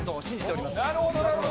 なるほど、なるほど。